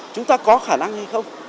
chúng ta có khả năng hay không